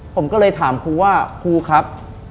ผมก็เลยถามครูว่าครูครับ